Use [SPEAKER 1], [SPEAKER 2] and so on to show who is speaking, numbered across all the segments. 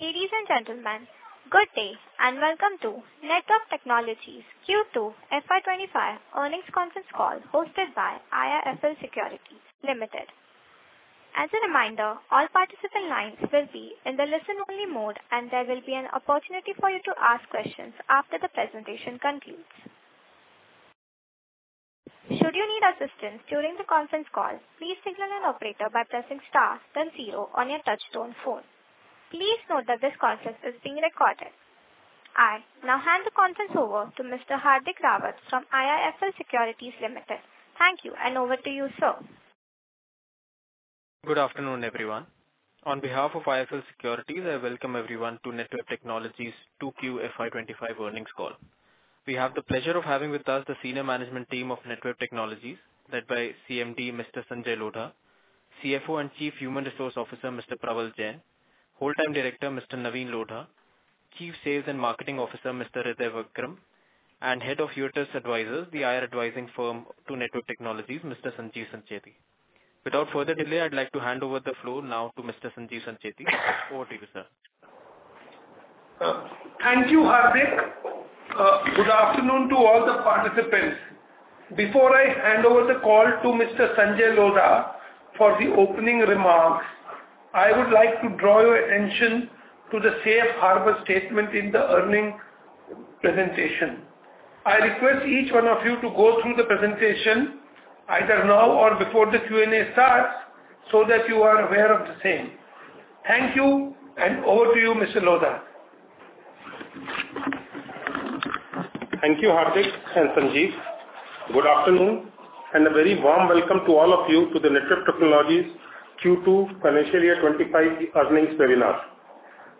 [SPEAKER 1] Ladies and gentlemen, good day, and welcome to Netweb Technologies Q2 FY 2025 earnings conference call, hosted by IIFL Securities Limited. As a reminder, all participant lines will be in the listen-only mode, and there will be an opportunity for you to ask questions after the presentation concludes. Should you need assistance during the conference call, please signal an operator by pressing star then zero on your touchtone phone. Please note that this conference is being recorded. I now hand the conference over to Mr. Hardik Rawat from IIFL Securities Limited. Thank you, and over to you, sir.
[SPEAKER 2] Good afternoon, everyone. On behalf of IIFL Securities, I welcome everyone to Netweb Technologies 2Q FY25 earnings call. We have the pleasure of having with us the senior management team of Netweb Technologies, led by CMD, Mr. Sanjay Lodha, CFO and Chief Human Resource Officer, Mr. Prawal Jain, Whole Time Director, Mr. Navin Lodha, Chief Sales and Marketing Officer, Mr. Hirdey Vikram, and Head of Uirtus Advisors, the IR advising firm to Netweb Technologies, Mr. Sanjeev Sancheti. Without further delay, I'd like to hand over the floor now to Mr. Sanjeev Sancheti. Over to you, sir.
[SPEAKER 3] Thank you, Hardik. Good afternoon to all the participants. Before I hand over the call to Mr. Sanjay Lodha for the opening remarks, I would like to draw your attention to the safe harbor statement in the earnings presentation. I request each one of you to go through the presentation either now or before the Q&A starts, so that you are aware of the same. Thank you, and over to you, Mr. Lodha.
[SPEAKER 4] Thank you, Hardik and Sanjeev. Good afternoon, and a very warm welcome to all of you to the Netweb Technologies Q2 financial year 2025 earnings webinar.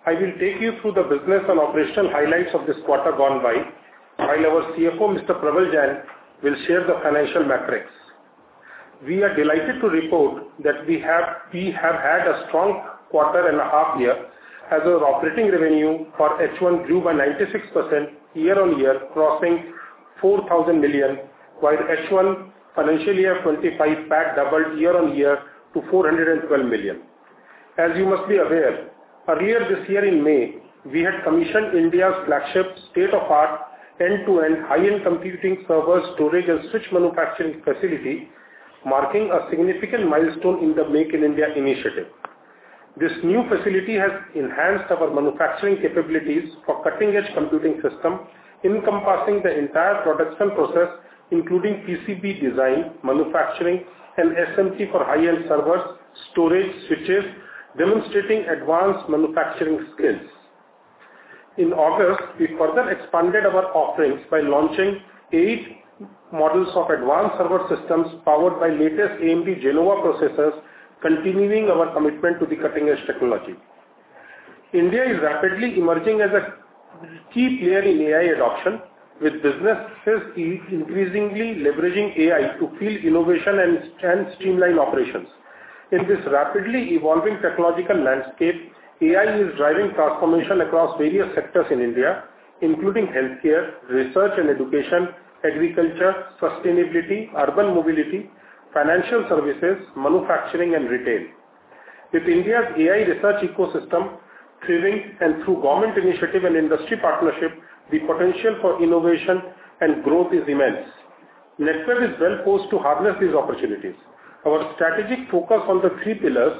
[SPEAKER 4] I will take you through the business and operational highlights of this quarter gone by, while our CFO, Mr. Prawal Jain, will share the financial metrics. We are delighted to report that we have had a strong quarter and a half year, as our operating revenue for H1 grew by 96% year-on-year, crossing 4,000 million, while H1 financial year 2025 PAT doubled year-on-year to 412 million. As you must be aware, earlier this year in May, we had commissioned India's flagship state-of-the-art, end-to-end, high-end computing server, storage, and switch manufacturing facility, marking a significant milestone in the Make in India initiative. This new facility has enhanced our manufacturing capabilities for cutting-edge computing system, encompassing the entire production process, including PCB design, manufacturing, and SMT for high-end servers, storage, switches, demonstrating advanced manufacturing skills. In August, we further expanded our offerings by launching eight models of advanced server systems powered by latest AMD Genoa processors, continuing our commitment to the cutting-edge technology. India is rapidly emerging as a key player in AI adoption, with businesses is increasingly leveraging AI to fuel innovation and streamline operations. In this rapidly evolving technological landscape, AI is driving transformation across various sectors in India, including healthcare, research and education, agriculture, sustainability, urban mobility, financial services, manufacturing, and retail. With India's AI research ecosystem thriving and through government initiative and industry partnership, the potential for innovation and growth is immense. Netweb is well-positioned to harness these opportunities. Our strategic focus on the three pillars,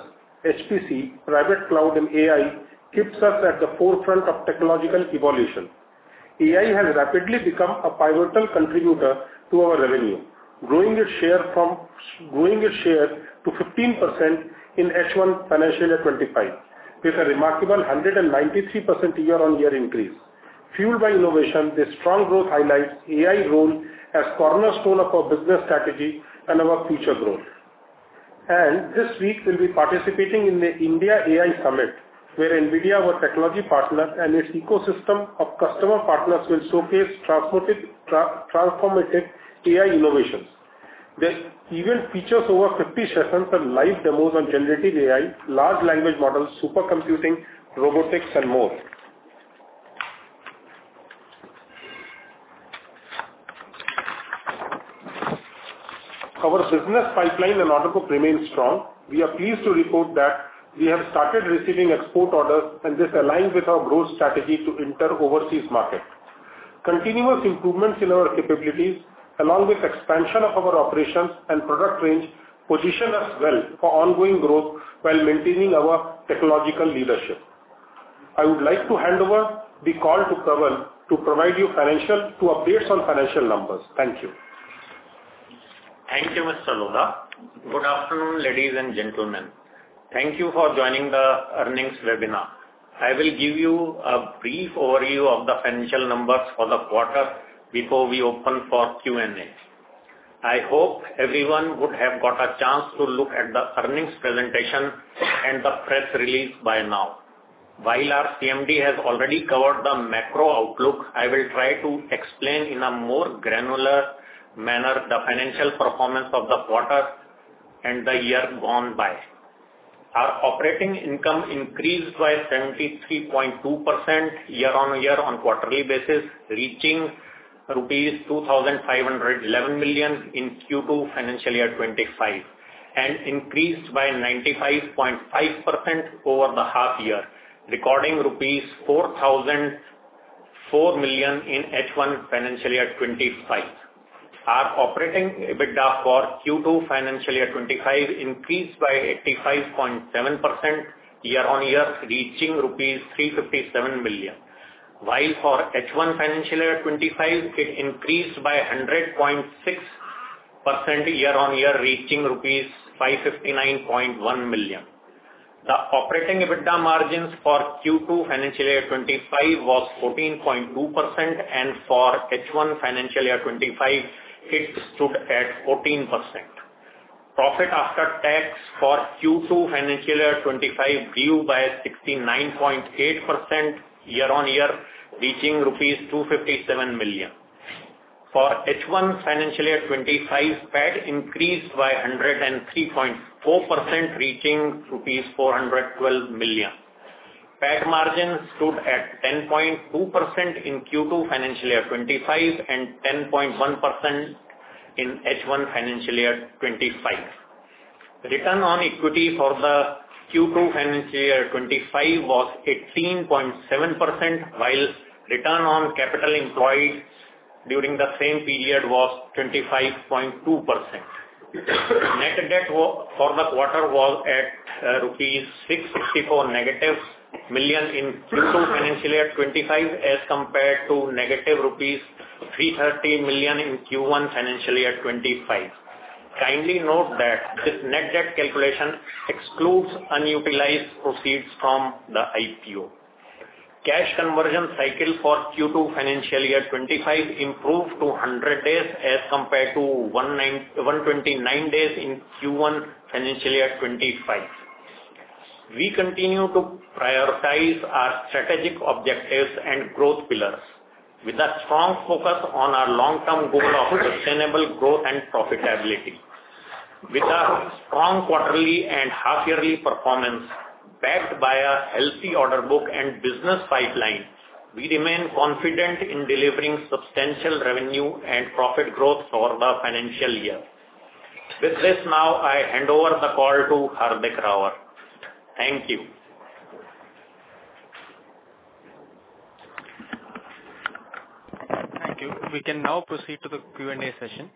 [SPEAKER 4] HPC, private cloud, and AI, keeps us at the forefront of technological evolution. AI has rapidly become a pivotal contributor to our revenue, growing its share to 15% in H1 financial year 2025, with a remarkable 193% year-on-year increase. Fueled by innovation, this strong growth highlights AI role as cornerstone of our business strategy and our future growth. This week, we'll be participating in the IndiaAI Summit, where NVIDIA, our technology partner, and its ecosystem of customer partners will showcase transformative AI innovations. This event features over 50 sessions and live demos on generative AI, large language models, supercomputing, robotics, and more. Our business pipeline and order book remains strong. We are pleased to report that we have started receiving export orders, and this aligns with our growth strategy to enter overseas market. Continuous improvements in our capabilities, along with expansion of our operations and product range, position us well for ongoing growth while maintaining our technological leadership. I would like to hand over the call to Prawal to provide you financial updates on financial numbers. Thank you.
[SPEAKER 5] Thank you, Mr. Lodha. Good afternoon, ladies and gentlemen. Thank you for joining the earnings webinar. I will give you a brief overview of the financial numbers for the quarter before we open for Q&A. I hope everyone would have got a chance to look at the earnings presentation and the press release by now. While our CMD has already covered the macro outlook, I will try to explain in a more granular manner, the financial performance of the quarter and the year gone by. Our operating income increased by 73.2% year-on-year, on quarterly basis, reaching rupees 2,511 million in Q2 financial year twenty-five, and increased by 95.5% over the half year, recording rupees 4,004 million in H1 financial year twenty-five. Our operating EBITDA for Q2 financial year 2025 increased by 85.7% year-on-year, reaching rupees 357 million. While for H1 financial year 2025, it increased by 100.6% year-on-year, reaching rupees 559.1 million. The operating EBITDA margins for Q2 financial year 2025 was 14.2%, and for H1 financial year 2025, it stood at 14%. Profit after tax for Q2 financial year 2025 grew by 69.8% year-on-year, reaching rupees 257 million. For H1 financial year 2025, PAT increased by 103.4%, reaching INR 412 million. PAT margin stood at 10.2% in Q2 financial year 2025, and 10.1% in H1 financial year 2025. The return on equity for the Q2 financial year twenty-five was 18.7%, while return on capital employed during the same period was 25.2%. Net debt for the quarter was at -664 million rupees in Q2 financial year twenty-five, as compared to -330 million rupees in Q1 financial year 2025. Kindly note that this net debt calculation excludes unutilized proceeds from the IPO. Cash conversion cycle for Q2 financial year 2025 improved to 100 days as compared to 129 days in Q1 financial year twenty-five. We continue to prioritize our strategic objectives and growth pillars with a strong focus on our long-term goal of sustainable growth and profitability. With a strong quarterly and half-yearly performance, backed by a healthy order book and business pipeline, we remain confident in delivering substantial revenue and profit growth for the financial year. With this, now I hand over the call to Hardik Rawat. Thank you.
[SPEAKER 2] Thank you. We can now proceed to the Q&A session.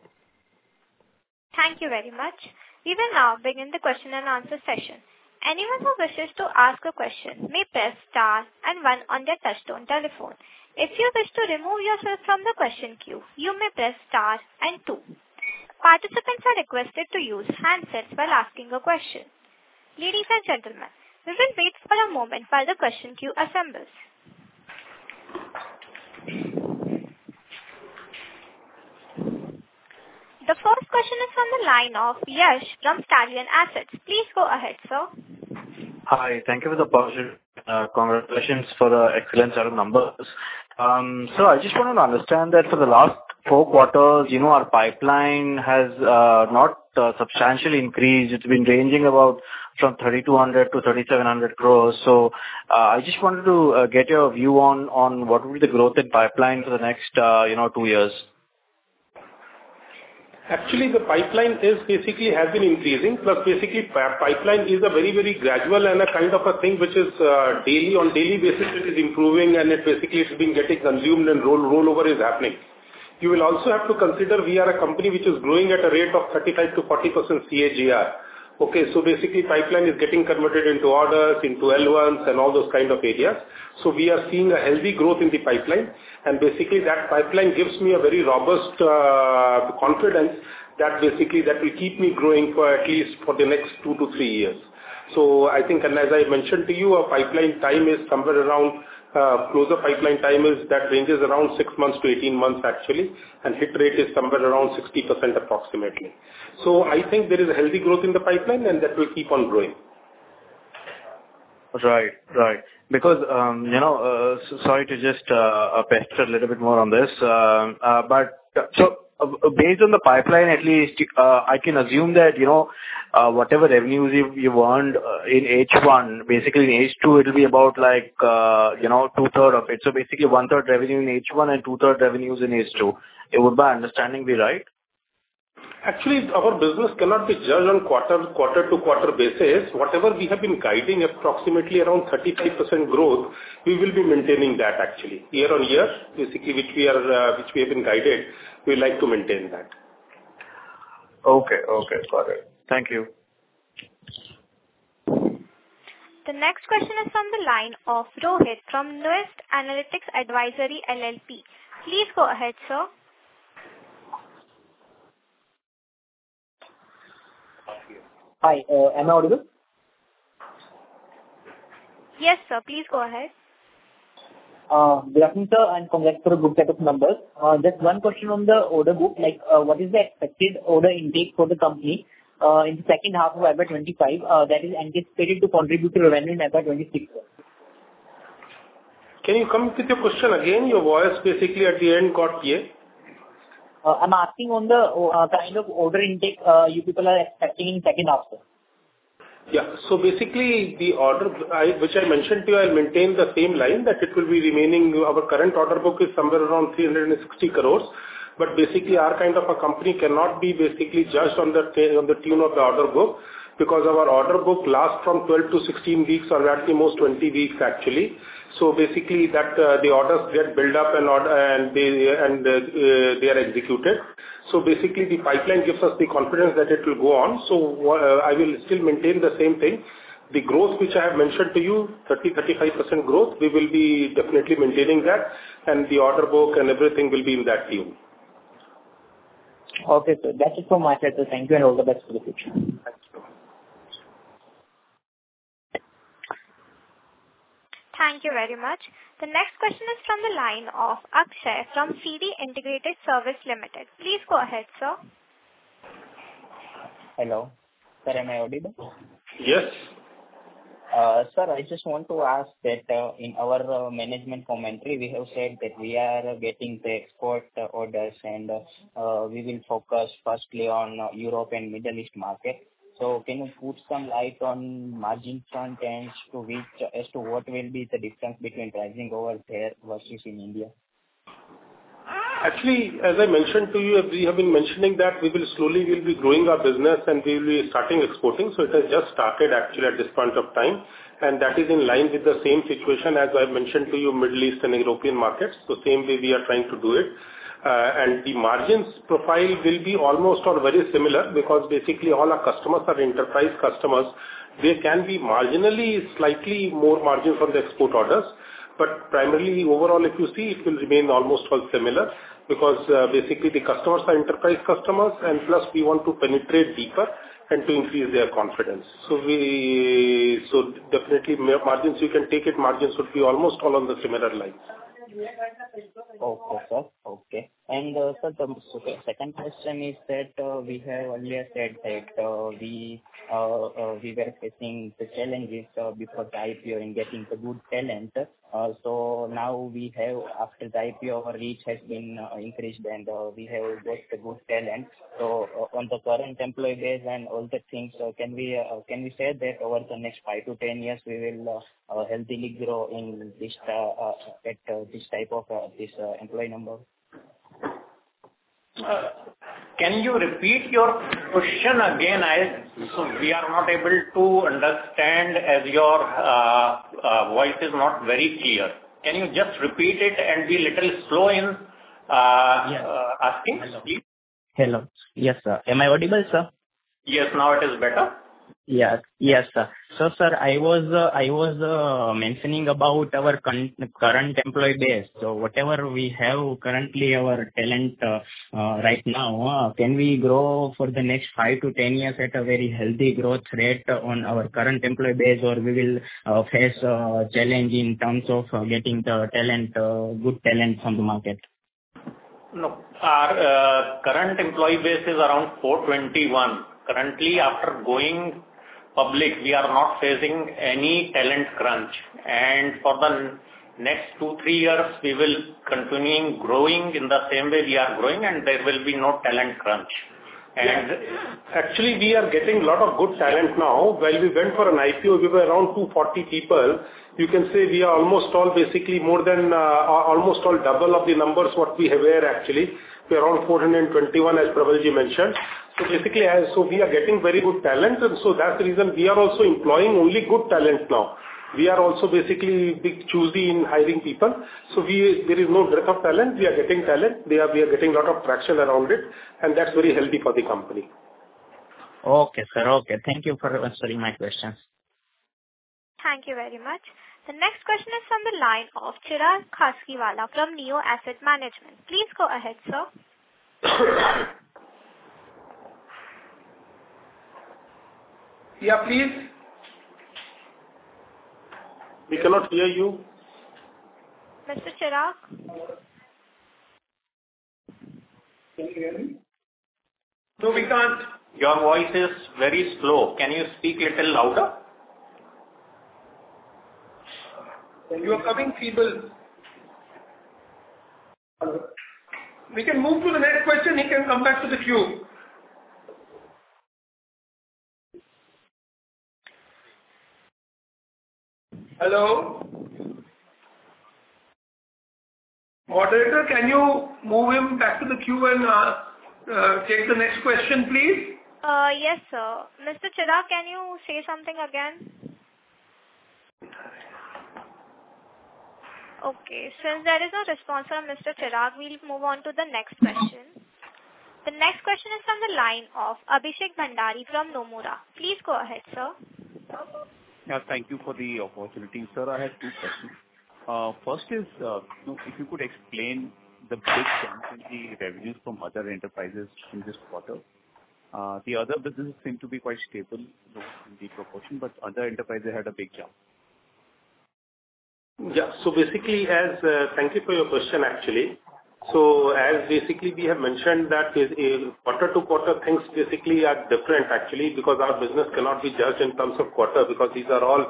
[SPEAKER 1] Thank you very much. We will now begin the question and answer session. Anyone who wishes to ask a question may press star and one on their touchtone telephone. If you wish to remove yourself from the question queue, you may press star and two. Participants are requested to use handsets while asking a question. Ladies and gentlemen, we will wait for a moment while the question queue assembles. The first question is from the line of Yash from Stallion Assets. Please go ahead, sir.
[SPEAKER 4] Hi. Thank you for the pleasure. Congratulations for the excellent set of numbers. So I just wanted to understand that for the last four quarters, you know, our pipeline has not substantially increased. It's been ranging about from 3,200 crores-3,700 crores. So, I just wanted to get your view on what will be the growth in pipeline for the next, you know, two years.
[SPEAKER 6] Actually, the pipeline is basically has been increasing, but basically, pipeline is a very, very gradual and a kind of a thing which is, daily, on daily basis, it is improving, and it basically is being getting consumed and rollover is happening. You will also have to consider we are a company which is growing at a rate of 35%-40% CAGR. Okay, so basically, pipeline is getting converted into orders, into L1s and all those kind of areas. So we are seeing a healthy growth in the pipeline, and basically, that pipeline gives me a very robust confidence that basically that will keep me growing for at least for the next 2-3 years. So I think, and as I mentioned to you, our pipeline time is somewhere around six months to 18 months, actually, and hit rate is somewhere around 60%, approximately. So I think there is a healthy growth in the pipeline, and that will keep on growing.
[SPEAKER 4] Right. Because, you know, so sorry to just pester a little bit more on this. But so based on the pipeline, at least, I can assume that, you know, whatever revenues you earned in H1, basically in H2, it will be about like, you know, two-thirds of it. So basically, one-third revenue in H1 and two-thirds revenues in H2. Would my understanding be right?
[SPEAKER 6] Actually, our business cannot be judged on quarter-to-quarter basis. Whatever we have been guiding, approximately around 35% growth, we will be maintaining that actually. Year on year, basically, which we are, which we have been guided, we like to maintain that.
[SPEAKER 4] Okay. Okay, got it. Thank you.
[SPEAKER 1] The next question is from the line of Rohit from Nvest Analytics Advisory LLP. Please go ahead, sir.
[SPEAKER 7] Hi, am I audible?
[SPEAKER 1] Yes, sir. Please go ahead.
[SPEAKER 7] Good afternoon, sir, and congrats for a good set of numbers. Just one question on the order book, like, what is the expected order intake for the company, in the second half of FY 2025, that is anticipated to contribute to revenue in FY 2026?
[SPEAKER 6] Can you come with your question again? Your voice basically at the end got clear.
[SPEAKER 7] I'm asking on the kind of order intake you people are expecting in second half, sir.
[SPEAKER 6] Yeah. So basically, the order which I mentioned to you, I maintain the same line, that it will be remaining. Our current order book is somewhere around 360 crores, but basically, our kind of a company cannot be basically judged on the trend, on the tune of the order book, because our order book lasts from 12-16 weeks or at the most 20 weeks, actually. So basically, that, the orders get built up and they are executed. So basically, the pipeline gives us the confidence that it will go on. So I will still maintain the same thing. The growth which I have mentioned to you, 30%-35% growth, we will be definitely maintaining that, and the order book and everything will be in that team.
[SPEAKER 7] Okay, sir. That's it from my side, sir. Thank you, and all the best for the future.
[SPEAKER 6] Thanks so much.
[SPEAKER 1] Thank you very much. The next question is from the line of Akshay from CD Integrated Services Limited. Please go ahead, sir.
[SPEAKER 8] Hello. Sir, am I audible?
[SPEAKER 6] Yes.
[SPEAKER 8] Sir, I just want to ask that, in our management commentary, we have said that we are getting the export orders, and we will focus firstly on Europe and Middle East market. So can you put some light on margin contents to which, as to what will be the difference between pricing over there versus in India?
[SPEAKER 6] Actually, as I mentioned to you, we have been mentioning that we will slowly be growing our business and we will be starting exporting. So it has just started actually at this point of time, and that is in line with the same situation as I mentioned to you, Middle East and European markets. So same way we are trying to do it. And the margins profile will be almost or very similar, because basically all our customers are enterprise customers. There can be marginally, slightly more margins on the export orders, but primarily overall, if you see, it will remain almost all similar, because basically the customers are enterprise customers, and plus we want to penetrate deeper and to increase their confidence. So definitely, margins you can take it, margins would be almost all on the similar lines.
[SPEAKER 8] Okay, sir. Okay. And, sir, the second question is that, we have earlier said that, we were facing the challenges, before the IPO in getting the good talent. So now we have, after the IPO, our reach has been, increased and, we have got a good talent. So on the current employee base and all the things, so can we, can we say that over the next 5-10 years, we will, healthy grow in this, sector, this type of, this, employee number?
[SPEAKER 5] Can you repeat your question again? So we are not able to understand, as your voice is not very clear. Can you just repeat it and be a little slow in--
[SPEAKER 8] Yes.
[SPEAKER 5] --asking, please?
[SPEAKER 8] Hello. Yes, sir. Am I audible, sir?
[SPEAKER 5] Yes, now it is better.
[SPEAKER 8] Yes. Yes, sir. So, sir, I was mentioning about our current employee base. So whatever we have currently, our talent right now, can we grow for the next five to ten years at a very healthy growth rate on our current employee base, or we will face challenge in terms of getting the talent, good talent from the market?
[SPEAKER 5] No. Our current employee base is around 421. Currently, after going public, we are not facing any talent crunch, and for the next two, three years, we will continuing growing in the same way we are growing, and there will be no talent crunch.
[SPEAKER 6] And actually, we are getting a lot of good talent now. When we went for an IPO, we were around 240 people. You can say we are almost all, basically, more than almost all double of the numbers what we were actually. We are around 421, as Prawal ji mentioned. So basically, So we are getting very good talent, and so that's the reason we are also employing only good talent now. We are also basically being choosy in hiring people, so there is no lack of talent. We are getting talent. We are getting a lot of traction around it, and that's very healthy for the company.
[SPEAKER 8] Okay, sir. Okay, thank you for answering my questions.
[SPEAKER 1] Thank you very much. The next question is from the line of Chirag Khasgiwala from Neo Asset Management. Please go ahead, sir.
[SPEAKER 6] Yeah, please. We cannot hear you.
[SPEAKER 1] Mr. Chirag?
[SPEAKER 9] Can you hear me?
[SPEAKER 6] No, we can't.
[SPEAKER 5] Your voice is very slow. Can you speak a little louder?
[SPEAKER 6] You are coming feeble. We can move to the next question. He can come back to the queue. Hello? Moderator, can you move him back to the queue and take the next question, please?
[SPEAKER 1] Yes, sir. Mr. Chirag, can you say something again? Okay, since there is no response from Mr. Chirag, we'll move on to the next question. The next question is from the line of Abhishek Bhandari from Nomura. Please go ahead, sir.
[SPEAKER 10] Yeah, thank you for the opportunity. Sir, I have two questions. First is, if you could explain the big jump in the revenues from other enterprises in this quarter? The other businesses seem to be quite stable in the proportion, but other enterprises had a big jump.
[SPEAKER 6] Yeah. So basically, as we have mentioned that it is quarter to quarter, things basically are different, actually, because our business cannot be judged in terms of quarter, because these are all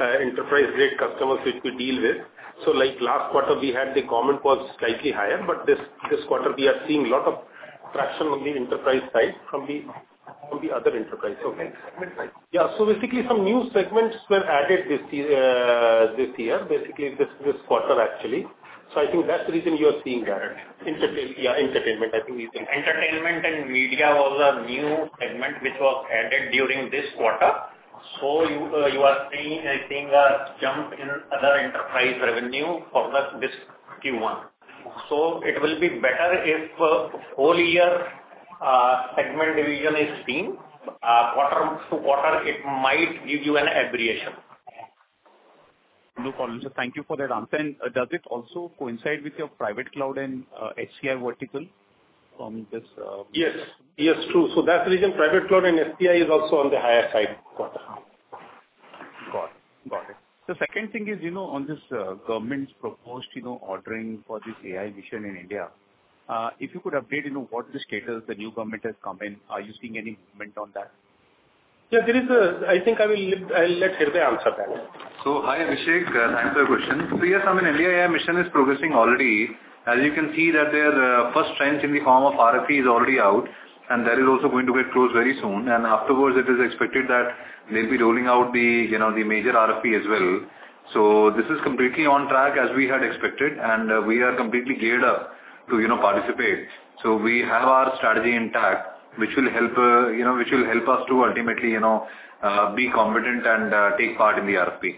[SPEAKER 6] enterprise grade customers which we deal with. So like last quarter, we had the commitment was slightly higher, but this quarter we are seeing a lot of friction on the enterprise side from the other enterprise. Okay.
[SPEAKER 5] Midsize.
[SPEAKER 6] Yeah. So basically, some new segments were added this year, this quarter, actually. So I think that's the reason you are seeing that.
[SPEAKER 5] Got it.
[SPEAKER 6] Yeah, entertainment, I think you think.
[SPEAKER 5] Entertainment and media was a new segment which was added during this quarter. So you are seeing a jump in other enterprise revenue for this Q1. So it will be better if whole year segment division is seen. Quarter to quarter, it might give you an aberration.
[SPEAKER 10] No problem. So thank you for that answer. And does it also coincide with your private cloud and HCI vertical from this?
[SPEAKER 6] Yes. Yes, true. So that's the reason private cloud and HCI is also on the higher side.
[SPEAKER 10] Got it. Got it. The second thing is, you know, on this government's proposed, you know, ordering for this AI Mission in India, if you could update, you know, what the status the new government has come in. Are you seeing any movement on that?
[SPEAKER 6] Yes, there is a... I think I'll let Hirdey answer that one.
[SPEAKER 11] So hi, Abhishek, thanks for your question. So yes, I mean, IndiaAI Mission is progressing already. As you can see that their first tranche in the form of RFP is already out, and that is also going to get closed very soon. And afterwards, it is expected that they'll be rolling out the, you know, the major RFP as well. So this is completely on track as we had expected, and we are completely geared up to, you know, participate. So we have our strategy intact, which will help us to ultimately, you know, be competitive and take part in the RFP.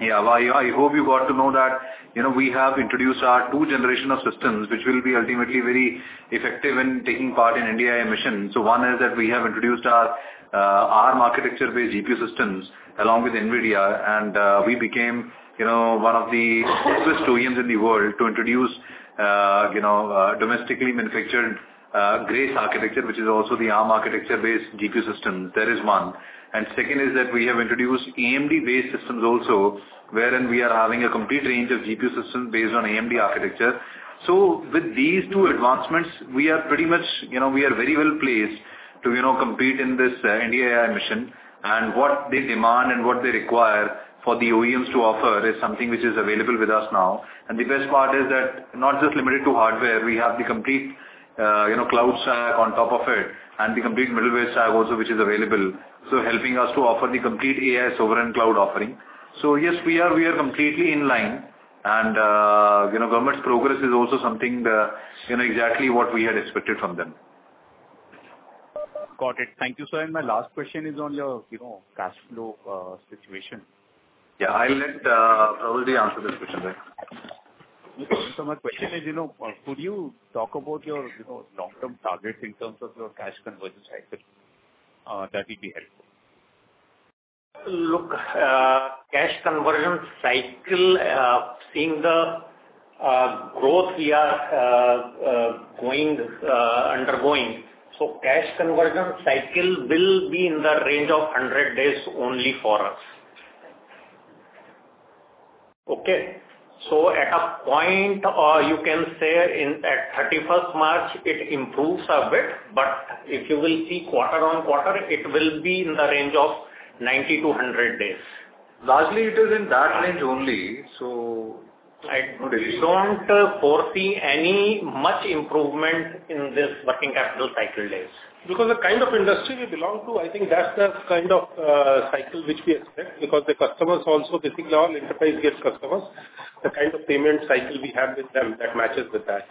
[SPEAKER 11] Yeah. Well, I hope you got to know that, you know, we have introduced our two generation of systems, which will be ultimately very effective in taking part in IndiaAI Mission. So one is that we have introduced our ARM architecture-based GPU systems along with NVIDIA, and we became, you know, one of the first OEMs in the world to introduce domestically manufactured Grace architecture, which is also the ARM architecture-based GPU system. That is one. And second is that we have introduced AMD-based systems also, wherein we are having a complete range of GPU systems based on AMD architecture. So with these two advancements, we are pretty much, you know, we are very well placed to, you know, compete in this IndiaAI Mission. And what they demand and what they require for the OEMs to offer is something which is available with us now. And the best part is that not just limited to hardware, we have the complete, you know, cloud stack on top of it and the complete middleware stack also, which is available, so helping us to offer the complete AI sovereign cloud offering. So yes, we are, we are completely in line, and, you know, government's progress is also something, you know, exactly what we had expected from them.
[SPEAKER 10] Got it. Thank you, sir. And my last question is on your, you know, cash flow situation.
[SPEAKER 11] Yeah, I'll let Prawal answer this question, right?
[SPEAKER 10] So my question is, you know, could you talk about your, you know, long-term targets in terms of your cash conversion cycle? That would be helpful.
[SPEAKER 5] Look, Cash Conversion Cycle, seeing the growth we are undergoing, so Cash Conversion Cycle will be in the range of 100 days only for us. Okay? So at a point, you can say in at 31st March, it improves a bit, but if you will see quarter on quarter, it will be in the range of 90-100 days. Largely, it is in that range only, so I don't really- You don't foresee any much improvement in this working capital cycle days?
[SPEAKER 6] Because the kind of industry we belong to, I think that's the kind of cycle which we expect, because the customers also, basically, all enterprise gives customers, the kind of payment cycle we have with them, that matches with that.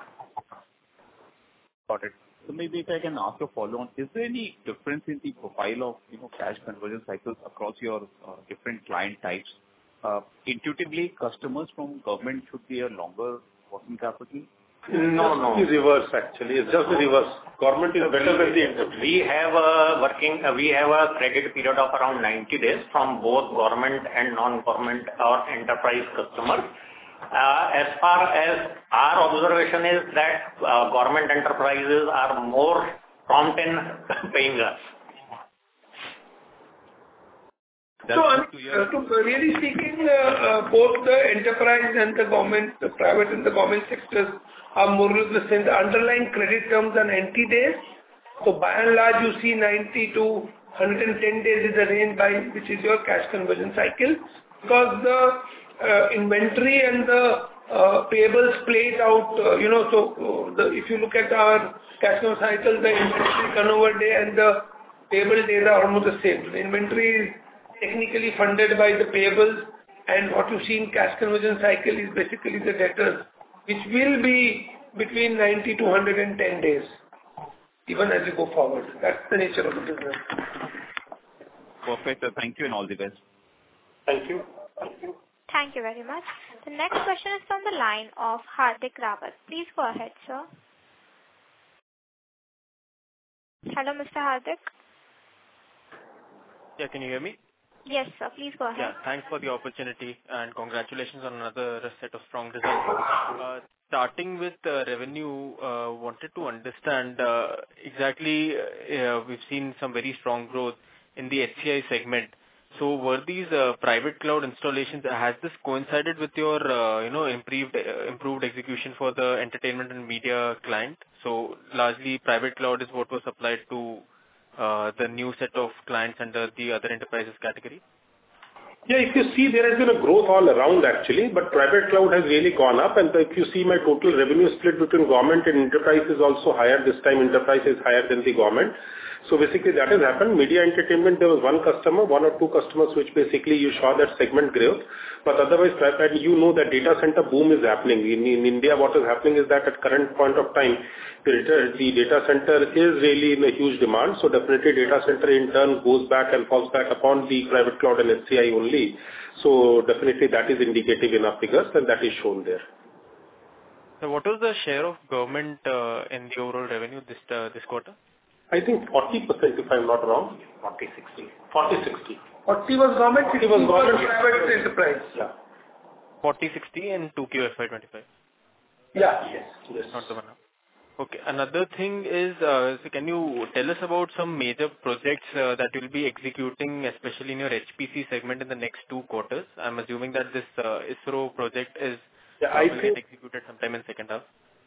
[SPEAKER 10] Got it, so maybe if I can ask a follow on, is there any difference in the profile of, you know, cash conversion cycles across your different client types? Intuitively, customers from government should be a longer working capital.
[SPEAKER 5] No, no.
[SPEAKER 6] It's the reverse, actually. It's just the reverse. Government is better than the enterprise.
[SPEAKER 5] We have a credit period of around ninety days from both government and non-government or enterprise customers. As far as our observation is that, government enterprises are more prompt in paying us.
[SPEAKER 6] Really speaking, both the enterprise and the government, the private and the government sectors are more or less the same. The underlying credit terms are ninety days. By and large, you see ninety to hundred and ten days is the range by which is your cash conversion cycle. Because the inventory and the payables played out, you know. If you look at our cash flow cycle, the inventory turnover day and the payable days are almost the same. The inventory is technically funded by the payables, and what you see in cash conversion cycle is basically the debtors, which will be between ninety to hundred and ten days, even as we go forward. That's the nature of the business.
[SPEAKER 10] Perfect, sir. Thank you, and all the best.
[SPEAKER 6] Thank you.
[SPEAKER 5] Thank you.
[SPEAKER 1] Thank you very much. The next question is from the line of Hardik Rawat. Please go ahead, sir. Hello, Mr. Hardik?
[SPEAKER 2] Yeah, can you hear me?
[SPEAKER 1] Yes, sir. Please go ahead.
[SPEAKER 2] Yeah, thanks for the opportunity, and congratulations on another set of strong results. Starting with the revenue, wanted to understand exactly, we've seen some very strong growth in the HCI segment. So were these private cloud installations, has this coincided with your, you know, improved execution for the entertainment and media client? So largely, private cloud is what was applied to the new set of clients under the other enterprises category?...
[SPEAKER 6] Yeah, if you see, there has been a growth all around actually, but private cloud has really gone up. And if you see my total revenue split between government and enterprise is also higher. This time, enterprise is higher than the government. So basically that has happened. Media entertainment, there was one customer, one or two customers, which basically you saw that segment growth. But otherwise, you know, that data center boom is happening. In India, what is happening is that at current point of time, the data center is really in a huge demand. So definitely data center in turn, goes back and falls back upon the private cloud and HCI only. So definitely that is indicative in our figures, and that is shown there.
[SPEAKER 2] So what is the share of government in the overall revenue this quarter?
[SPEAKER 6] I think 40%, if I'm not wrong.
[SPEAKER 5] Forty, sixty.
[SPEAKER 6] Forty, sixty.
[SPEAKER 5] 40% was government, 60% was-
[SPEAKER 6] 40% was government.
[SPEAKER 5] Surprise.
[SPEAKER 6] Yeah.
[SPEAKER 2] 40%-60%, and 2Q FY 2025.
[SPEAKER 6] Yeah.
[SPEAKER 5] Yes.
[SPEAKER 6] Yes.
[SPEAKER 2] Not so well. Okay, another thing is, so can you tell us about some major projects that you'll be executing, especially in your HPC segment in the next two quarters? I'm assuming that this ISRO project is--
[SPEAKER 6] Yeah, I think-
[SPEAKER 2] --executed sometime in second half.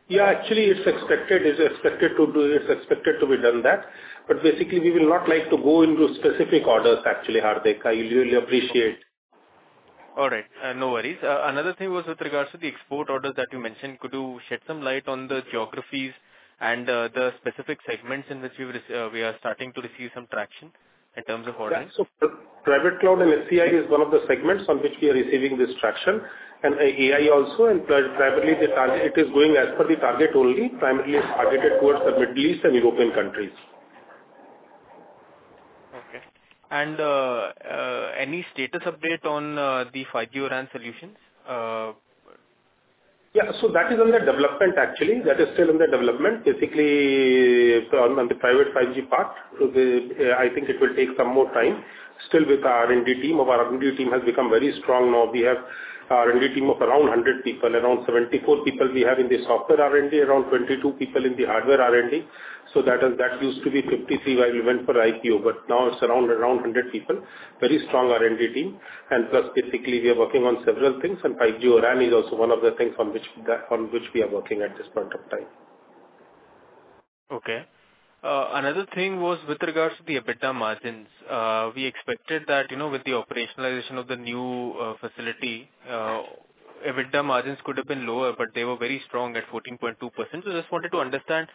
[SPEAKER 6] Yeah, actually, it's expected to be done that, but basically we will not like to go into specific orders, actually, Hardik. I really appreciate.
[SPEAKER 2] All right, no worries. Another thing was with regards to the export orders that you mentioned, could you shed some light on the geographies and, the specific segments in which we are starting to receive some traction in terms of orders?
[SPEAKER 6] Private cloud and HCI is one of the segments on which we are receiving this traction, and AI also, and primarily the target. It is going as per the target only. Primarily, it's targeted towards the Middle East and European countries.
[SPEAKER 2] Okay. And, any status update on the 5G RAN solutions?
[SPEAKER 6] Yeah, so that is under development, actually. That is still under development. Basically, on the private 5G part, I think it will take some more time. Still with our R&D team, our R&D team has become very strong now. We have R&D team of around 100 people, around 74 people we have in the software R&D, around 22 people in the hardware R&D. So that used to be 53 when we went for IPO, but now it's around 100 people. Very strong R&D team, and plus basically, we are working on several things, and 5G RAN is also one of the things on which we are working at this point of time.
[SPEAKER 2] Okay. Another thing was with regards to the EBITDA margins. We expected that, you know, with the operationalization of the new facility, EBITDA margins could have been lower, but they were very strong at 14.2%. So just wanted to understand,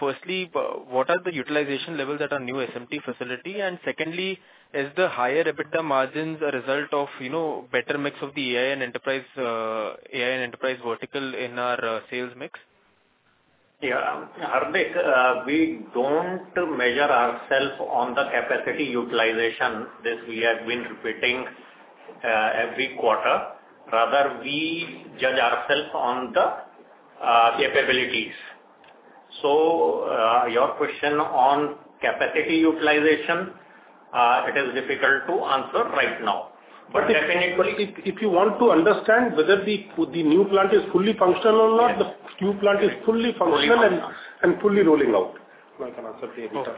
[SPEAKER 2] firstly, what are the utilization levels at our new SMT facility? And secondly, is the higher EBITDA margins a result of, you know, better mix of the AI and enterprise vertical in our sales mix?
[SPEAKER 5] Yeah. Hardik, we don't measure ourselves on the capacity utilization. This we have been repeating every quarter. Rather, we judge ourselves on the capabilities. So, your question on capacity utilization, it is difficult to answer right now. But definitely-
[SPEAKER 6] If you want to understand whether the new plant is fully functional or not, the new plant is fully functional.
[SPEAKER 5] Fully functional.
[SPEAKER 6] and fully rolling out. Now you can answer the EBITDA.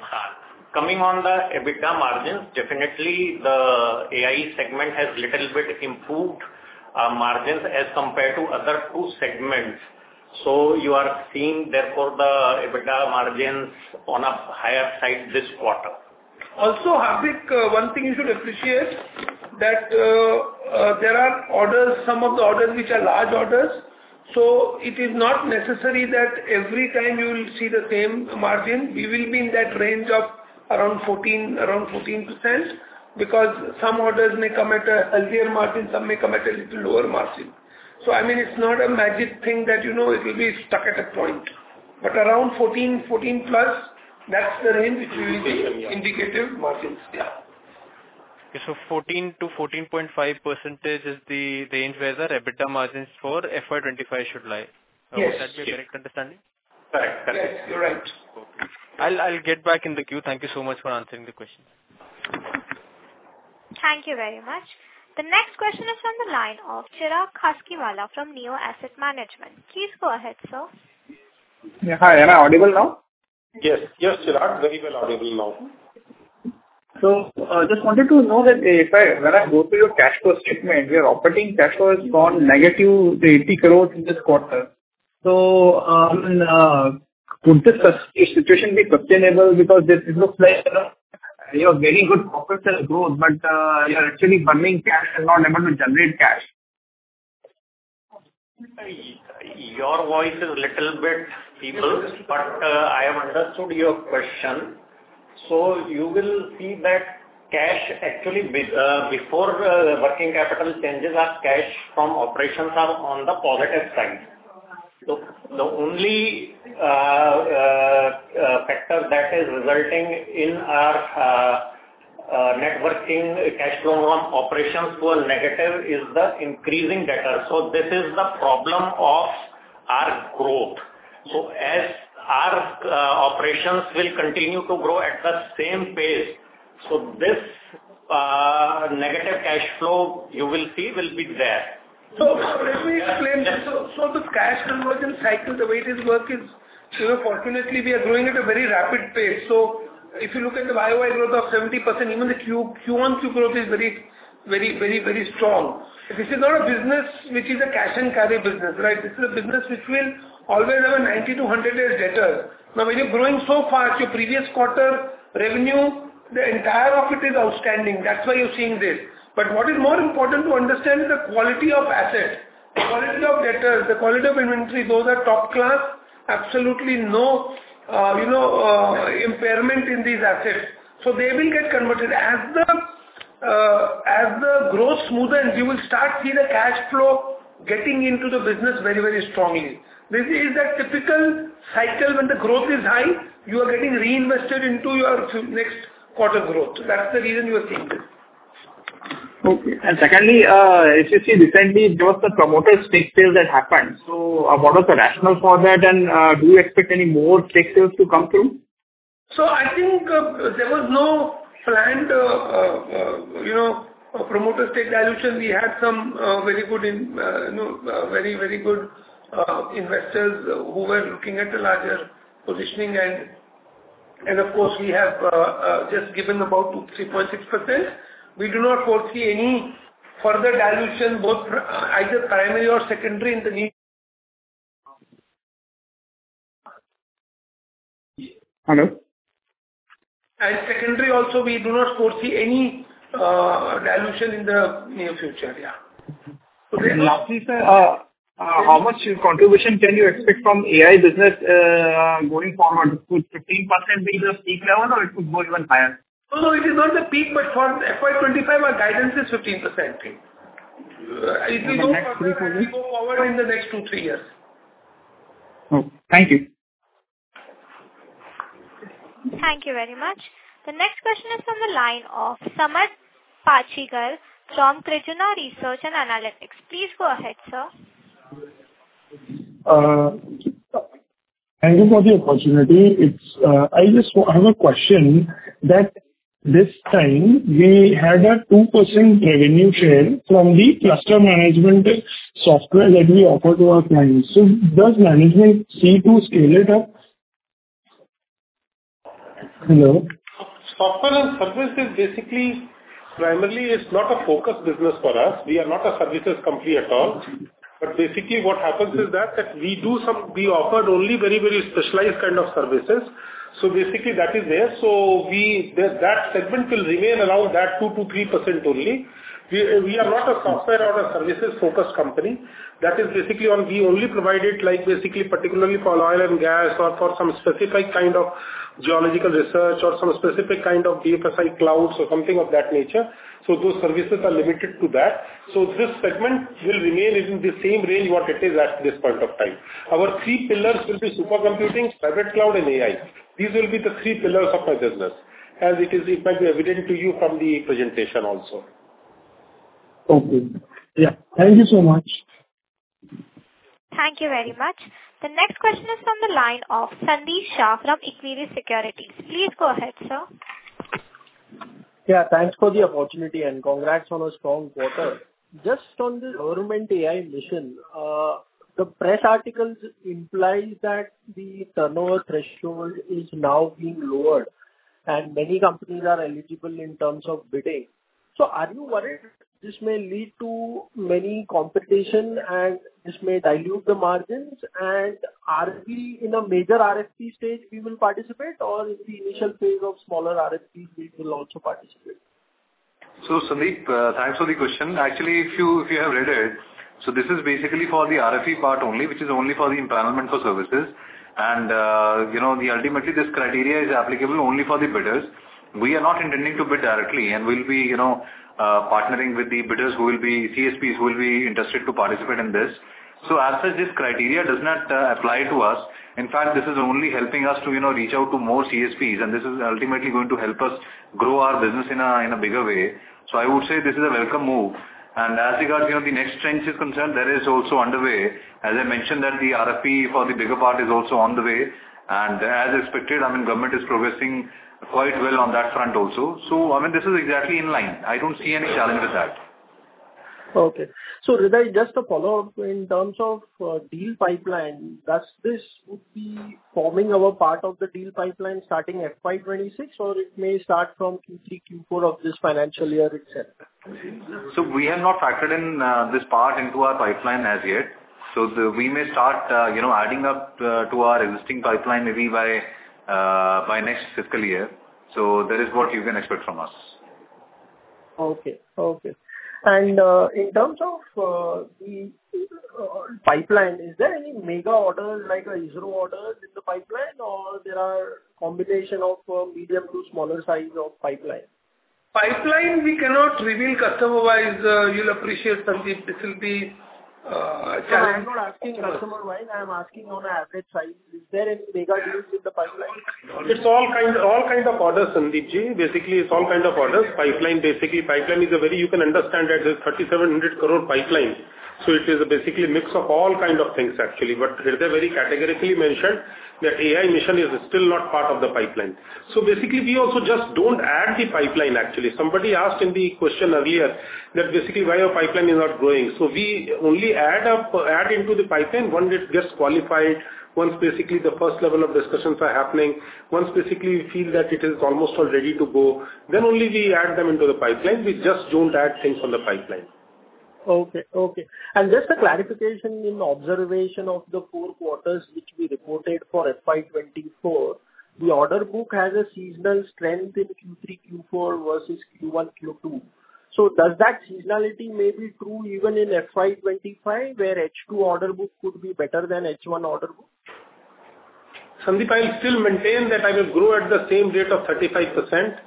[SPEAKER 5] Coming on the EBITDA margins, definitely the AI segment has little bit improved margins as compared to other two segments. So you are seeing therefore, the EBITDA margins on a higher side this quarter.
[SPEAKER 3] Also, Hardik, one thing you should appreciate, that, there are orders, some of the orders which are large orders, so it is not necessary that every time you will see the same margin, we will be in that range of around 14, around 14%, because some orders may come at a healthier margin, some may come at a little lower margin. So I mean, it's not a magic thing that, you know, it will be stuck at a point, but around 14, 14 plus, that's the range which will be-
[SPEAKER 5] Indicative.
[SPEAKER 6] Indicative margins, yeah.
[SPEAKER 2] Okay, so 14%-14.5% is the range where the EBITDA margins for FY 2025 should lie?
[SPEAKER 6] Yes.
[SPEAKER 2] Would that be a correct understanding?
[SPEAKER 5] Correct.
[SPEAKER 6] Yes, you're right.
[SPEAKER 2] Okay. I'll get back in the queue. Thank you so much for answering the question.
[SPEAKER 1] Thank you very much. The next question is from the line of Chirag Khasgiwala from Neo Asset Management. Please go ahead, sir.
[SPEAKER 12] Yeah. Hi, am I audible now?
[SPEAKER 6] Yes, yes, Chirag, very well audible now.
[SPEAKER 12] Just wanted to know that if I, when I go through your cash flow statement, your operating cash flow has gone negative, 80 crores in this quarter. Could this situation be sustainable? Because this looks like you have very good profitable growth, but you're actually burning cash and not able to generate cash.
[SPEAKER 5] Your voice is a little bit feeble, but I have understood your question. So you will see that cash, actually, before working capital changes, our cash from operations are on the positive side. So, the only factor that is resulting in our net cash flow from operations to a negative is the increasing debtor. So this is the problem of our growth. So as our operations will continue to grow at the same pace, so this negative cash flow, you will see, will be there.
[SPEAKER 3] Let me explain. The cash conversion cycle, the way it is working, you know, fortunately, we are growing at a very rapid pace. If you look at the YoY growth of 70%, even the QoQ growth is very strong. This is not a business which is a cash and carry business, right? This is a business which will always have a 90-100 days debtor. Now, when you're growing so fast, your previous quarter revenue, the entire of it is outstanding. That's why you're seeing this. But what is more important to understand is the quality of assets. The quality of debtors, the quality of inventory, those are top class. Absolutely no, you know, impairment in these assets. So they will get converted. As the growth smoothens, you will start to see the cash flow getting into the business very, very strongly. This is a typical cycle. When the growth is high, you are getting reinvested into your next quarter growth. So that's the reason you are seeing this.
[SPEAKER 12] Okay. And secondly, if you see recently, there was the promoter stake sale that happened. So what was the rationale for that, and do you expect any more stake sales to come through?
[SPEAKER 3] So I think there was no planned, you know, promoter stake dilution. We had some very good, you know, very, very good investors who were looking at a larger positioning, and of course, we have just given about 3.6%. We do not foresee any further dilution, both either primary or secondary in the near-
[SPEAKER 12] Hello?
[SPEAKER 6] Secondary also, we do not foresee any dilution in the near future. Yeah.
[SPEAKER 12] Mm-hmm. Lastly, sir, how much contribution can you expect from AI business going forward? Could 15% be the peak level or it could go even higher?
[SPEAKER 3] No, no, it is not the peak, but for FY 2025, our guidance is 15%. If we go further, we go forward in the next two, three years.
[SPEAKER 12] Okay. Thank you.
[SPEAKER 1] Thank you very much. The next question is from the line of Samarth Pachchigar from Krijuna Research and Analytics. Please go ahead, sir.
[SPEAKER 9] Thank you for the opportunity. It's, I just have a question that this time we had a 2% revenue share from the cluster management software that we offer to our clients. So does management seek to scale it up? Hello?
[SPEAKER 6] Software and services, basically, primarily is not a focus business for us. We are not a services company at all, but basically, what happens is that we do some. We offered only very, very specialized kind of services, so basically, that is there. So that segment will remain around that 2%-3% only. We are not a software or a services-focused company. That is basically we only provide it, like, basically, particularly for oil and gas or for some specific kind of geological research or some specific kind of BFSI clouds or something of that nature. So those services are limited to that. So this segment will remain in the same range what it is at this point of time. Our three pillars will be supercomputing, private cloud, and AI. These will be the three pillars of our business, as it is, in fact, evident to you from the presentation also.
[SPEAKER 9] Okay. Yeah. Thank you so much.
[SPEAKER 1] Thank you very much. The next question is from the line of Sandeep Shah from Equirus Securities. Please go ahead, sir.
[SPEAKER 13] Yeah, thanks for the opportunity and congrats on a strong quarter. Just on the IndiaAI Mission, the press articles implies that the turnover threshold is now being lowered and many companies are eligible in terms of bidding. So are you worried this may lead to many competition and this may dilute the margins? And are we in a major RFP stage, we will participate, or in the initial phase of smaller RFPs, we will also participate?
[SPEAKER 11] So, Sandeep, thanks for the question. Actually, if you have read it, so this is basically for the RFP part only, which is only for the empowerment for services. And, you know, ultimately, this criteria is applicable only for the bidders. We are not intending to bid directly, and we'll be, you know, partnering with the bidders who will be CSPs who will be interested to participate in this. So as such, this criteria does not apply to us. In fact, this is only helping us to, you know, reach out to more CSPs, and this is ultimately going to help us grow our business in a bigger way. So I would say this is a welcome move. And as regard, you know, the next trend is concerned, that is also underway. As I mentioned, that the RFP for the bigger part is also on the way, and as expected, I mean, government is progressing quite well on that front also. So I mean, this is exactly in line. I don't see any challenge with that.
[SPEAKER 13] Okay, so Lodha, just a follow-up. In terms of deal pipeline, does this would be forming our part of the deal pipeline starting FY 2026, or it may start from Q3, Q4 of this financial year itself?
[SPEAKER 6] So we have not factored in this part into our pipeline as yet. So we may start, you know, adding up to our existing pipeline maybe by next fiscal year. So that is what you can expect from us.
[SPEAKER 13] Okay. And in terms of the pipeline, is there any mega order, like a 100 crore order in the pipeline, or there are combination of medium to smaller size of pipeline?
[SPEAKER 3] Pipeline, we cannot reveal customer-wise. You'll appreciate, Sandeep, this will be,
[SPEAKER 13] I'm not asking customer-wise, I am asking on an average size. Is there any mega deals in the pipeline?
[SPEAKER 6] It's all kind, all kind of orders, Sandeep. Basically, it's all kind of orders. Pipeline, basically, pipeline is a very... You can understand that there's 3,700 crore pipeline. So it is basically a mix of all kind of things, actually, but Hirdey very categorically mentioned that AI mission is still not part of the pipeline. So basically, we also just don't add the pipeline, actually. Somebody asked in the question earlier that basically why your pipeline is not growing. So we only add up, add into the pipeline once it gets qualified, once basically the first level of discussions are happening, once basically we feel that it is almost all ready to go, then only we add them into the pipeline. We just don't add things on the pipeline.
[SPEAKER 13] Okay, okay. And just a clarification in observation of the four quarters which we reported for FY 2024, the order book has a seasonal strength in Q3, Q4 versus Q1, Q2. So does that seasonality may be true even in FY 2025, where H2 order book could be better than H1 order book?
[SPEAKER 6] Sandeep, I still maintain that I will grow at the same rate of 35%.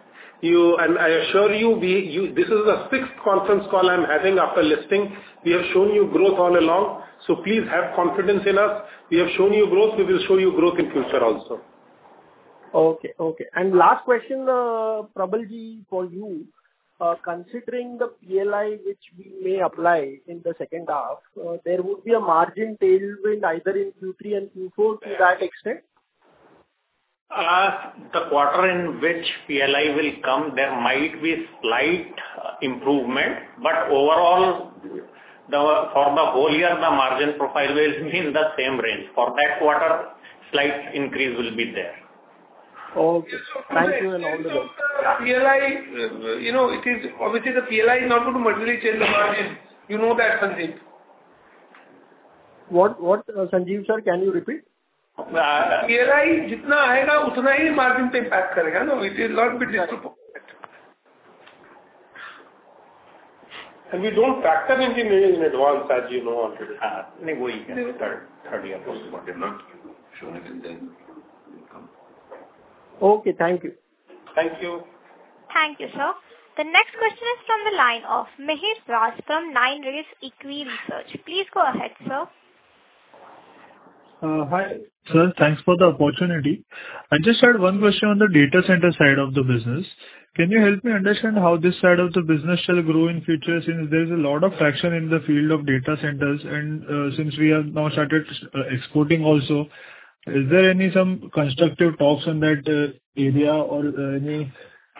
[SPEAKER 6] You-- and I assure you, we, you, this is the sixth conference call I'm having after listing. We have shown you growth all along, so please have confidence in us. We have shown you growth, we will show you growth in future also.
[SPEAKER 13] Okay, okay. And last question, Prawal, for you. Considering the PLI which we may apply in the second half, there would be a margin tailwind either in Q3 and Q4 to that extent?
[SPEAKER 5] The quarter in which PLI will come, there might be slight improvement, but overall, for the whole year, the margin profile will be in the same range. For that quarter, slight increase will be there.
[SPEAKER 13] Okay, thank you and all the best.
[SPEAKER 3] PLI, you know, it is obviously the PLI is not going to materially change the margin. You know that, Sandeep.
[SPEAKER 13] What, what, Sanjeev sir, can you repeat?
[SPEAKER 3] PLI, margin impact, no? It will not be visible.
[SPEAKER 5] And we don't factor in the wins in advance, as you know, after the third quarter, no? Surely we then will come.
[SPEAKER 13] Okay, thank you.
[SPEAKER 3] Thank you.
[SPEAKER 1] Thank you, sir. The next question is from the line of Mihir Vyas from 9 Rays EquiResearch. Please go ahead, sir.
[SPEAKER 14] Hi, sir. Thanks for the opportunity. I just had one question on the data center side of the business. Can you help me understand how this side of the business shall grow in future, since there is a lot of traction in the field of data centers? And, since we have now started exporting also, is there any constructive talks on that area or any